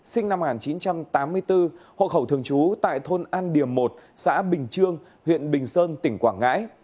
sinh năm một nghìn chín trăm tám mươi bốn hộ khẩu thường trú tại thôn an điềm một xã bình trương huyện bình sơn tỉnh quảng ngãi